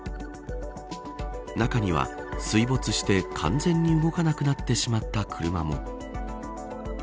中には水没して完全に動かなくなってしまった車も。